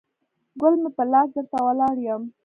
ګل مې په لاس درته ولاړ یم